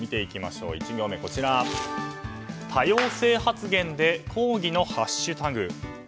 １行目、多様性発言で抗議のハッシュタグ。